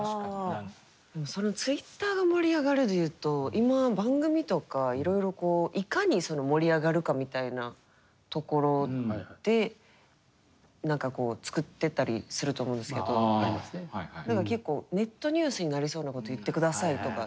そのツイッターが盛り上がるで言うと今番組とかいろいろいかに盛り上がるかみたいなところでなんか作ってたりすると思うんですけどなんか結構ネットニュースになりそうなこと言って下さいとか。